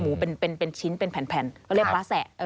เป็นชิ้นเป็นแผ่นก็เรียกว้าแสะ